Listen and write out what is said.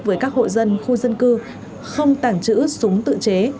với các hộ dân khu dân cư không tàng trữ súng tự chế